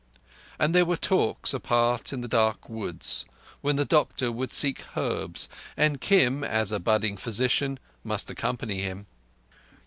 And there were talks apart in the dark woods, when the doctor would seek herbs, and Kim, as budding physician, must accompany him.